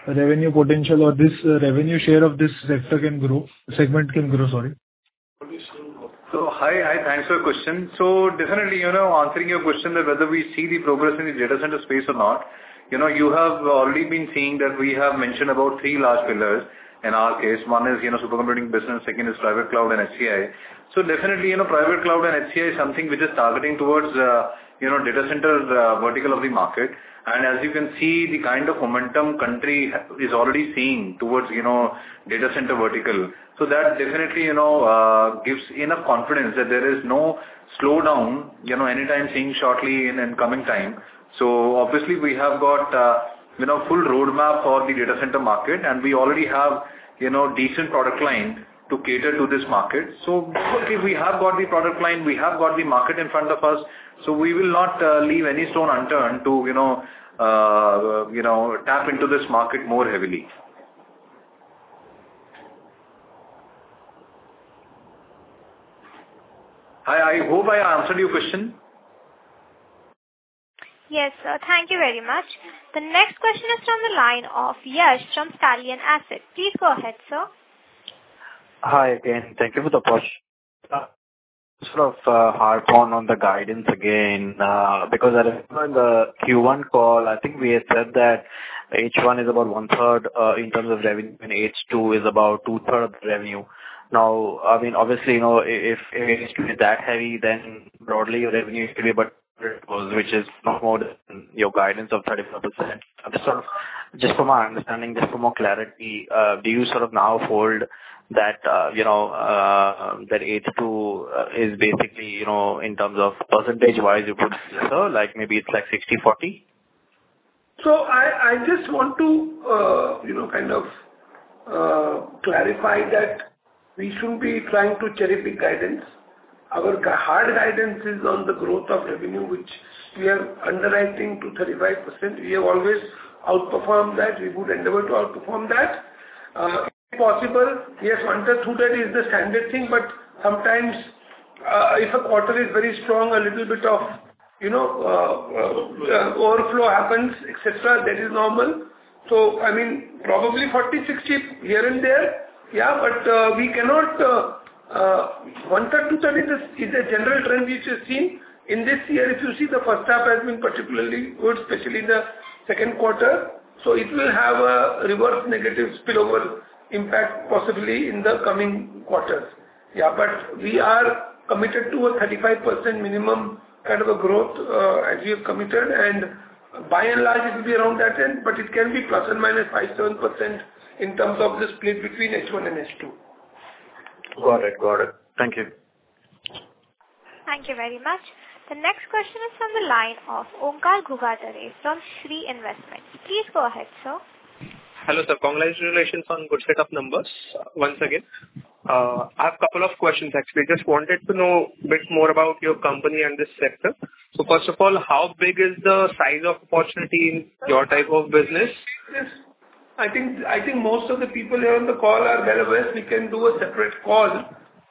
[SPEAKER 14] revenue potential, or this revenue share of this sector can grow - segment can grow, sorry?
[SPEAKER 11] Hi, hi, thanks for the question. Definitely, you know, answering your question that whether we see the progress in the data center space or not, you know, you have already been seeing that we have mentioned about three large pillars. In our case, one is, you know, supercomputing business, second is private cloud and HCI. Definitely, you know, private cloud and HCI is something we are targeting towards, you know, data center vertical of the market. And as you can see, the kind of momentum country is already seeing towards, you know, data center vertical. That definitely, you know, gives enough confidence that there is no slowdown, you know, anytime soon in the coming time. So obviously, we have got, you know, full roadmap for the data center market, and we already have, you know, decent product line to cater to this market. So basically, we have got the product line, we have got the market in front of us, so we will not, you know, you know, tap into this market more heavily. Hi, I hope I answered your question?
[SPEAKER 1] Yes, sir. Thank you very much. The next question is from the line of Yash from Stallion Assets. Please go ahead, sir.
[SPEAKER 4] Hi again, thank you for the question. Sort of harp on the guidance again, because I remember in the Q1 call, I think we had said that H1 is about one third in terms of revenue, and H2 is about two-third of the revenue. Now, I mean, obviously, you know, if H2 is that heavy, then broadly your revenue should be about which is far more than your guidance of 35%. Just for my understanding, just for more clarity, do you sort of now hold that, you know, that H2 is basically, you know, in terms of percentage-wise, you put it together, like, maybe it's like 60/40?
[SPEAKER 3] So I just want to, you know, kind of, clarify that we shouldn't be trying to cherry-pick guidance. Our hard guidance is on the growth of revenue, which we are underwriting to 35%. We have always outperformed that. We would endeavor to outperform that. If possible, yes, H1, H2, that is the standard thing, but sometimes, if a quarter is very strong, a little bit of, you know, overflow happens, et cetera, that is normal. So I mean, probably 40/60 here and there. Yeah, but we cannot... one third, two third is a general trend which is seen. In this year, if you see, the first half has been particularly good, especially in the second quarter, so it will have a reverse negative spillover impact, possibly in the coming quarters. Yeah, but we are committed to a 35% minimum kind of a growth, as we have committed, and by and large, it will be around that time, but it can be plus or minus 5-7% in terms of the split between H1 and H2.
[SPEAKER 4] Got it, got it. Thank you.
[SPEAKER 1] Thank you very much. The next question is from the line of Onkar Ghugardare from Shree Investments. Please go ahead, sir.
[SPEAKER 15] Hello, sir, congratulations on good set of numbers once again. I have a couple of questions, actually. Just wanted to know a bit more about your company and this sector. So first of all, how big is the size of opportunity in your type of business?
[SPEAKER 3] I think, I think most of the people here on the call are well aware. We can do a separate call,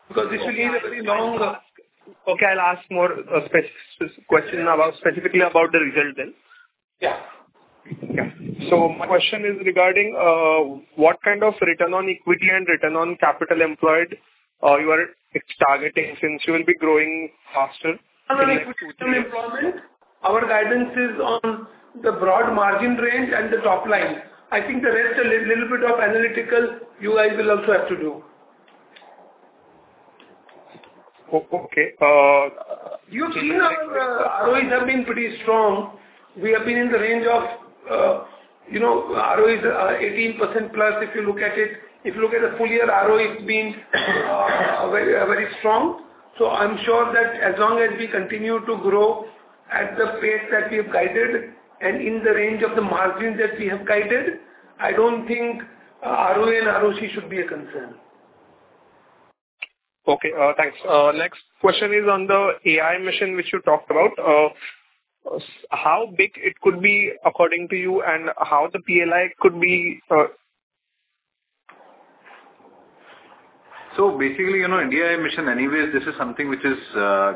[SPEAKER 3] because this will need a very long,
[SPEAKER 15] Okay, I'll ask more specific question about, specifically about the result then.
[SPEAKER 3] Yeah. Yeah.
[SPEAKER 15] So my question is regarding what kind of return on equity and return on capital employed you are targeting since you will be growing faster?
[SPEAKER 3] Our guidance is on the broad margin range and the top line. I think the rest a little bit of analysis you guys will also have to do.
[SPEAKER 15] O-okay, uh-
[SPEAKER 3] You see our ROIs have been pretty strong. We have been in the range of,
[SPEAKER 6] You know, ROE is 18%+, if you look at it. If you look at the full year, ROE has been very, very strong. So I'm sure that as long as we continue to grow at the pace that we have guided and in the range of the margins that we have guided, I don't think ROE and ROC should be a concern.
[SPEAKER 15] Okay, thanks. Next question is on the AI mission, which you talked about. How big it could be according to you, and how the PLI could be.
[SPEAKER 11] So basically, you know, IndiaAI Mission, anyways, this is something which is,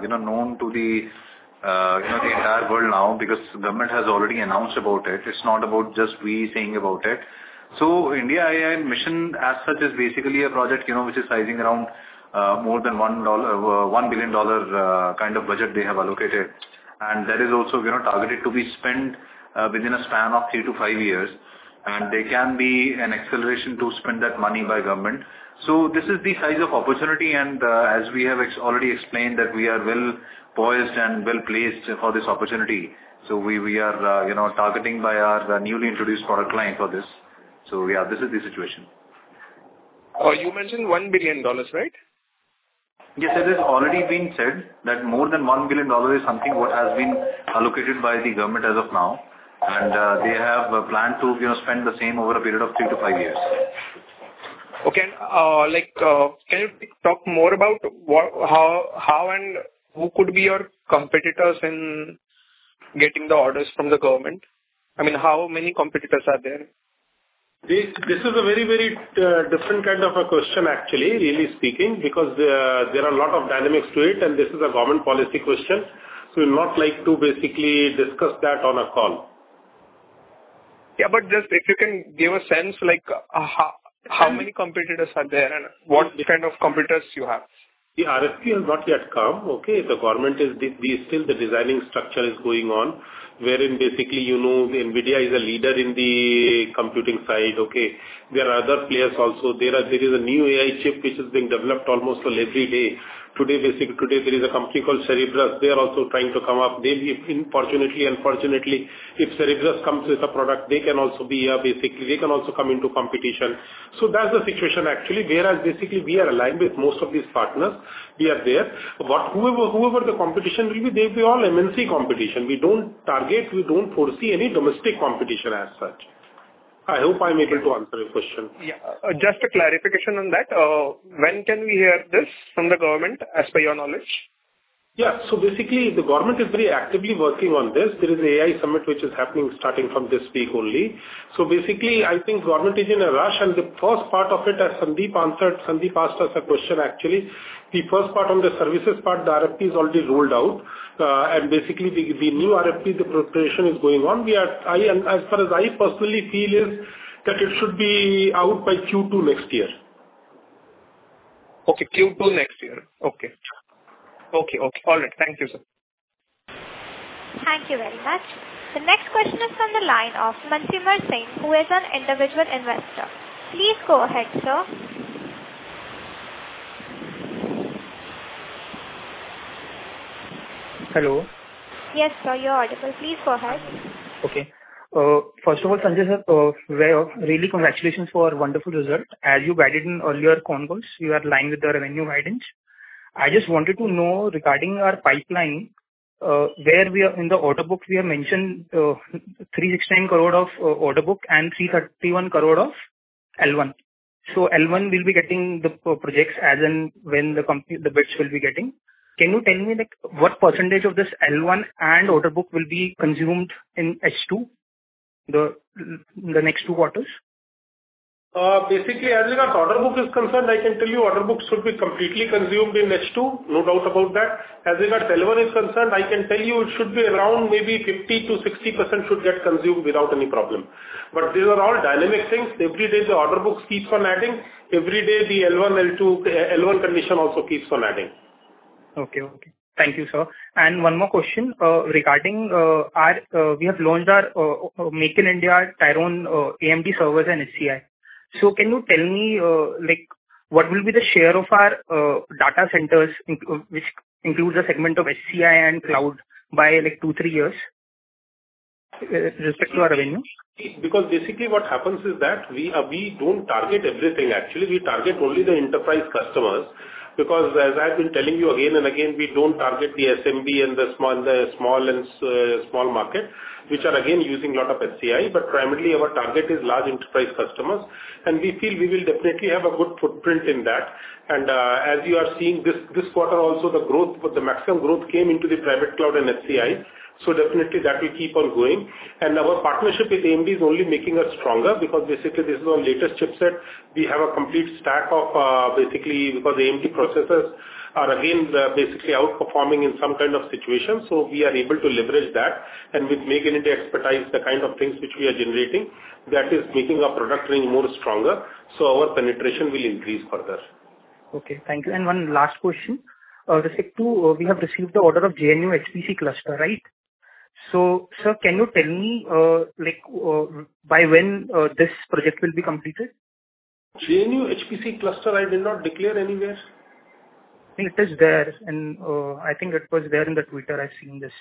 [SPEAKER 11] you know, known to the, you know, the entire world now, because the government has already announced about it. It's not about just we saying about it. So IndiaAI Mission as such, is basically a project, you know, which is sizing around, more than $1 billion kind of budget they have allocated. And that is also, you know, targeted to be spent, within a span of three to five years, and there can be an acceleration to spend that money by government. So this is the size of opportunity, and, as we have already explained, that we are well poised and well placed for this opportunity. So we are, you know, targeting by our, the newly introduced product line for this. Yeah, this is the situation.
[SPEAKER 15] You mentioned $1 billion, right?
[SPEAKER 11] Yes, it has already been said that more than $1 billion is something what has been allocated by the government as of now, and they have a plan to, you know, spend the same over a period of three to five years.
[SPEAKER 15] Okay, like, can you talk more about what, how and who could be your competitors in getting the orders from the government? I mean, how many competitors are there?
[SPEAKER 6] This is a very, very different kind of a question, actually, really speaking, because there are a lot of dynamics to it, and this is a government policy question, so we'll not like to basically discuss that on a call.
[SPEAKER 15] Yeah, but just if you can give a sense, like, how many competitors are there and what kind of competitors you have?
[SPEAKER 6] The RFP has not yet come, okay? The government is still the designing structure is going on, wherein basically, you know, NVIDIA is a leader in the computing side, okay? There are other players also. There is a new AI chip which is being developed almost every day. Today, basically, there is a company called Cerebras. They are also trying to come up. Unfortunately, if Cerebras comes with a product, they can also basically come into competition. So that's the situation actually, whereas basically we are aligned with most of these partners. We are there. But whoever the competition will be, they'll be all MNC competition. We don't target, we don't foresee any domestic competition as such. I hope I'm able to answer your question.
[SPEAKER 15] Yeah. Just a clarification on that, when can we hear this from the government, as per your knowledge?
[SPEAKER 6] Yeah. So basically, the government is very actively working on this. There is AI Summit, which is happening starting from this week only. So basically, I think government is in a rush, and the first part of it, as Sandeep answered, Sandeep asked us a question, actually. The first part on the services part, the RFP is already rolled out, and basically, the new RFP, the preparation is going on, and as far as I personally feel, is that it should be out by Q2 next year.
[SPEAKER 15] Okay, Q2 next year. Okay. All right. Thank you, sir.
[SPEAKER 1] Thank you very much. The next question is on the line of Mansimer Singh, who is an individual investor. Please go ahead, sir.
[SPEAKER 16] Hello?
[SPEAKER 1] Yes, sir, you're audible. Please go ahead.
[SPEAKER 16] Okay. First of all, Sanjay, sir, well, really congratulations for a wonderful result. As you guided in earlier convos, you are aligning with the revenue guidance. I just wanted to know, regarding our pipeline, where we are in the order book. We have mentioned 369 crore of order book and 331 crore of L1. So L1 will be getting the projects as and when the bids will be getting. Can you tell me, like, what percentage of this L1 and order book will be consumed in H2, the next two quarters?
[SPEAKER 6] Basically, as regard order book is concerned, I can tell you order book should be completely consumed in H2. No doubt about that. As regard L1 is concerned, I can tell you it should be around maybe 50%-60% should get consumed without any problem. But these are all dynamic things. Every day, the order books keeps on adding. Every day, the L1, L2, L1 condition also keeps on adding.
[SPEAKER 16] Okay, okay. Thank you, sir. And one more question, regarding our we have launched our Make in India, Tyrone AMD servers and HCI. So can you tell me, like, what will be the share of our data centers, which includes a segment of HCI and cloud, by, like, two, three years, respect to our revenue?
[SPEAKER 6] Because basically what happens is that we, we don't target everything, actually. We target only the enterprise customers, because as I've been telling you again and again, we don't target the SMB and the small, the small and small market, which are again using lot of HCI, but primarily our target is large enterprise customers, and we feel we will definitely have a good footprint in that. And, as you are seeing this, this quarter also, the growth, the maximum growth came into the private cloud and HCI. So definitely that will keep on going. And our partnership with AMD is only making us stronger, because basically this is our latest chipset. We have a complete stack of, basically, because AMD processors are again, basically outperforming in some kind of situation. So we are able to leverage that, and with Make in India expertise, the kind of things which we are generating, that is making our product range more stronger, so our penetration will increase further.
[SPEAKER 16] Okay, thank you. And one last question. With respect to, we have received the order of JNU HPC cluster, right? So, sir, can you tell me, like, by when, this project will be completed?
[SPEAKER 6] JNU HPC cluster. I did not declare anywhere. It is there, and I think it was there in the Twitter. I've seen this.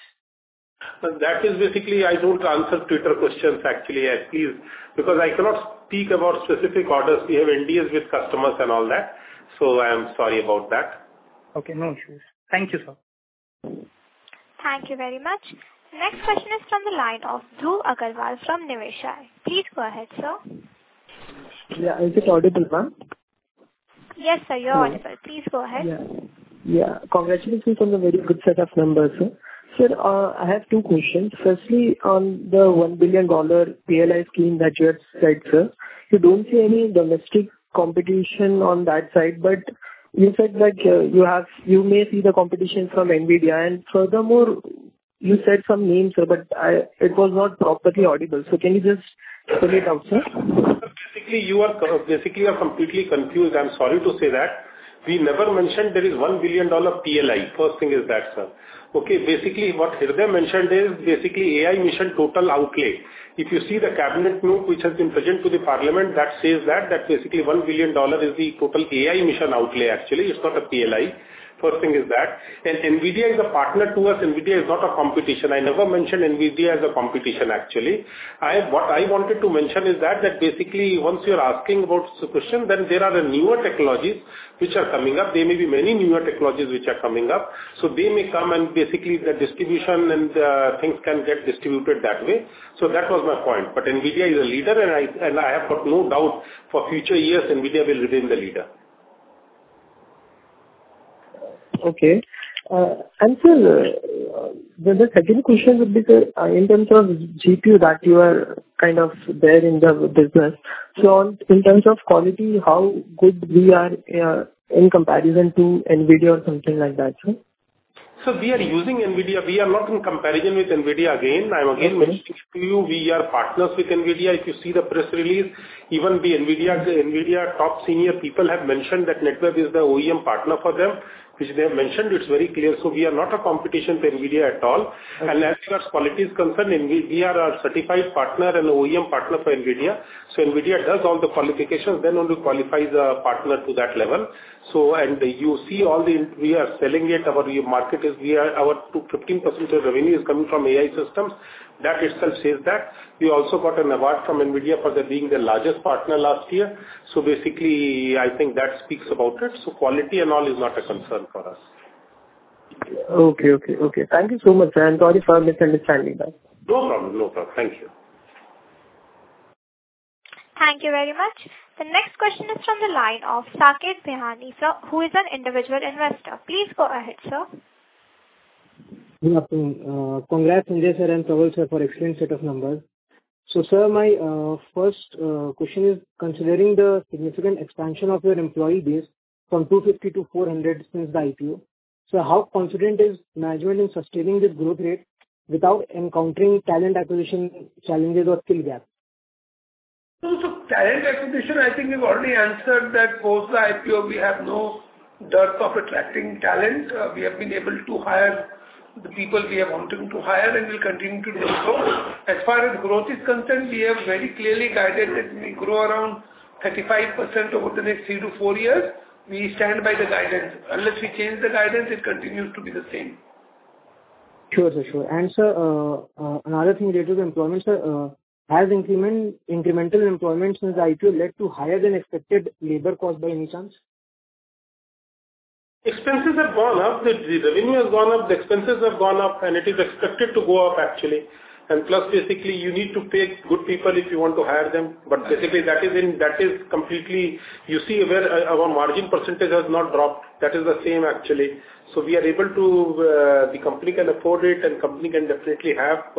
[SPEAKER 6] That is basically I don't answer Twitter questions actually, please, because I cannot speak about specific orders we have entered with customers and all that, so I am sorry about that.
[SPEAKER 16] Okay, no issues. Thank you, sir.
[SPEAKER 1] Thank you very much. Next question is from the line of Dhruv Aggarwal from Niveshaay. Please go ahead, sir.
[SPEAKER 17] Yeah. Is it audible, ma'am?
[SPEAKER 1] Yes, sir, you're audible. Please go ahead.
[SPEAKER 17] Yeah. Congratulations on the very good set of numbers, sir. Sir, I have two questions: firstly, on the $1 billion PLI scheme that you have said, sir, you don't see any domestic competition on that side, but you said that, you have-- you may see the competition from NVIDIA. And furthermore, you said some names, sir, but I, it was not properly audible. So can you just say it out, sir?
[SPEAKER 6] Basically, you are completely confused. I'm sorry to say that. We never mentioned there is $1 billion PLI. First thing is that, sir. Okay, basically, what Hirdey mentioned is basically AI mission total outlay. If you see the Cabinet group, which has been presented to the Parliament, that says that, that basically $1 billion is the total AI mission outlay actually, it's not a PLI. First thing is that. And NVIDIA is a partner to us, NVIDIA is not a competition. I never mentioned NVIDIA as a competition, actually. I, what I wanted to mention is that, that basically once you're asking about the question, then there are the newer technologies which are coming up. There may be many newer technologies which are coming up, so they may come and basically the distribution and things can get distributed that way. So that was my point. But NVIDIA is a leader, and I have got no doubt for future years, NVIDIA will remain the leader.
[SPEAKER 17] Okay. And sir, the second question would be, in terms of GPU, that you are kind of there in the business. So in terms of quality, how good we are in comparison to NVIDIA or something like that, sir?
[SPEAKER 6] So we are using NVIDIA. We are not in comparison with NVIDIA again. I'm again mentioning to you, we are partners with NVIDIA. If you see the press release, even the NVIDIA, NVIDIA top senior people have mentioned that Netweb is the OEM partner for them, which they have mentioned, it's very clear. So we are not a competition to NVIDIA at all.
[SPEAKER 17] Okay.
[SPEAKER 6] As far as quality is concerned, NVIDIA. We are a certified partner and OEM partner for NVIDIA. So NVIDIA does all the qualifications, then only qualifies a partner to that level. So, and you see all the. We are selling it, our market is, we are, our 25% of revenue is coming from AI systems. That itself says that. We also got an award from NVIDIA for their being the largest partner last year. So basically, I think that speaks about it. So quality and all is not a concern for us.
[SPEAKER 17] Okay, okay, okay. Thank you so much, and sorry for the misunderstanding then.
[SPEAKER 6] No problem, no problem. Thank you.
[SPEAKER 1] Thank you very much. The next question is from the line of Saket Bihany, sir, who is an individual investor. Please go ahead, sir.
[SPEAKER 18] Good afternoon. Congrats, Sanjay sir, and Prawal sir, for excellent set of numbers. So sir, my first question is considering the significant expansion of your employee base from two hundred and fifty to four hundred since the IPO, so how confident is management in sustaining this growth rate without encountering talent acquisition challenges or skill gap?
[SPEAKER 3] Talent acquisition, I think you've already answered that. Post the IPO, we have no dearth of attracting talent. We have been able to hire the people we are wanting to hire, and we'll continue to do so. As far as growth is concerned, we have very clearly guided that we grow around 35% over the next three to four years. We stand by the guidance. Unless we change the guidance, it continues to be the same.
[SPEAKER 18] Sure, sir, sure. And sir, another thing related to employment, sir, has incremental employment since the IPO led to higher than expected labor cost by any chance?
[SPEAKER 6] Expenses have gone up, the revenue has gone up, the expenses have gone up, and it is expected to go up, actually. And plus, basically, you need to pay good people if you want to hire them.
[SPEAKER 18] Right.
[SPEAKER 6] But basically, that is completely. You see where our margin percentage has not dropped. That is the same, actually. So we are able to, the company can afford it, and company can definitely have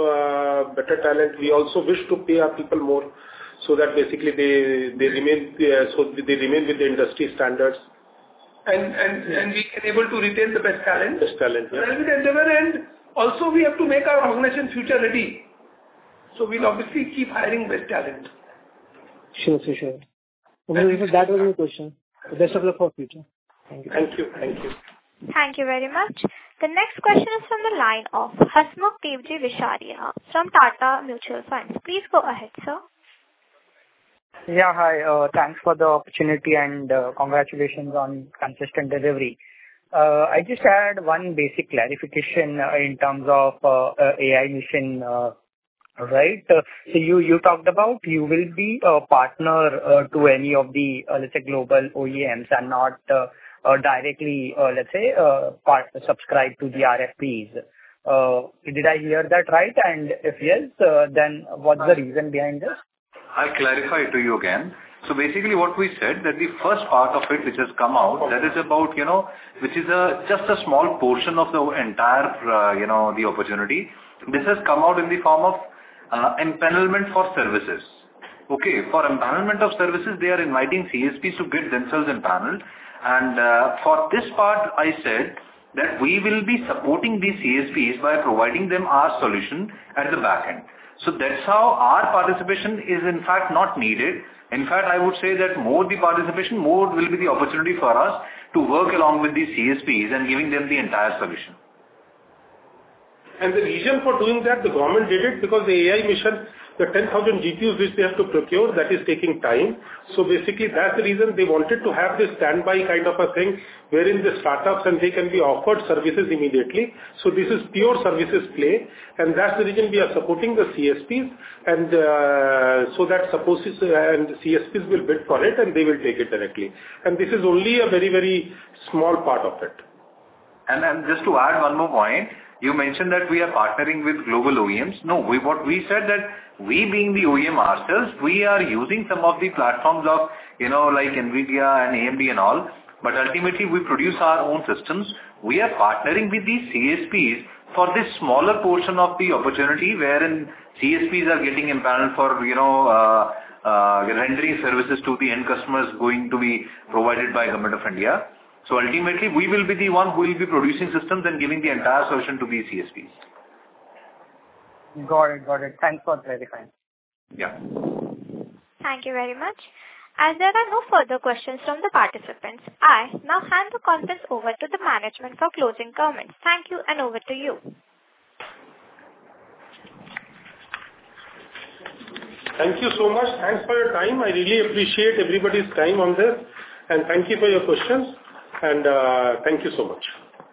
[SPEAKER 6] better talent. We also wish to pay our people more, so that basically they remain, so they remain with the industry standards.
[SPEAKER 3] And we are able to retain the best talent.
[SPEAKER 6] Best talent, yes.
[SPEAKER 3] and we can never end. Also, we have to make our organization future ready. so we'll obviously keep hiring best talent.
[SPEAKER 18] Sure, sure, sure. That was my question. Best of luck for future. Thank you.
[SPEAKER 6] Thank you. Thank you.
[SPEAKER 1] Thank you very much. The next question is from the line of Hasmukh Devji Visaria from Tata Mutual Fund. Please go ahead, sir.
[SPEAKER 19] Yeah, hi. Thanks for the opportunity and congratulations on consistent delivery. I just had one basic clarification in terms of AI mission, right? So you talked about you will be a partner to any of the let's say global OEMs and not directly let's say subscribed to the RFPs. Did I hear that right? And if yes, then what's the reason behind this?
[SPEAKER 11] I'll clarify it to you again. So basically what we said, that the first part of it which has come out, that is about, you know, which is just a small portion of the entire, you know, the opportunity. This has come out in the form of empanelment for services. Okay, for empanelment of services, they are inviting CSPs to get themselves empaneled. And for this part, I said that we will be supporting the CSPs by providing them our solution at the back end. So that's how our participation is, in fact, not needed. In fact, I would say that more the participation, more will be the opportunity for us to work along with the CSPs and giving them the entire solution.
[SPEAKER 6] And the reason for doing that, the government did it because the AI mission, the 10,000 GPUs which they have to procure, that is taking time. So basically, that's the reason they wanted to have this standby kind of a thing, wherein the startups and they can be offered services immediately. So this is pure services play, and that's the reason we are supporting the CSPs. And, so that supposed to, and CSPs will bid for it, and they will take it directly. And this is only a very, very small part of it.
[SPEAKER 11] And just to add one more point, you mentioned that we are partnering with global OEMs. No, what we said that, we being the OEM ourselves, we are using some of the platforms of, you know, like NVIDIA and AMD and all, but ultimately we produce our own systems. We are partnering with the CSPs for the smaller portion of the opportunity, wherein CSPs are getting empaneled for, you know, rendering services to the end customers going to be provided by Government of India. So ultimately, we will be the one who will be producing systems and giving the entire solution to the CSPs.
[SPEAKER 19] Got it, got it. Thanks for clarifying.
[SPEAKER 6] Yeah.
[SPEAKER 1] Thank you very much. As there are no further questions from the participants, I now hand the conference over to the management for closing comments. Thank you, and over to you.
[SPEAKER 6] Thank you so much. Thanks for your time. I really appreciate everybody's time on this, and thank you for your questions, and thank you so much.